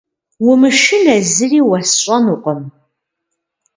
Умышынэ, зыри уэсщӏэнукъым.